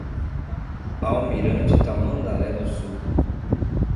Almirante Tamandaré do Sul